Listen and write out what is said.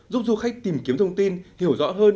giúp du khách tìm kiếm thông tin hiểu rõ hơn